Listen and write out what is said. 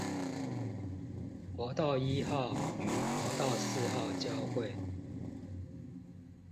國道一號與國道四號交會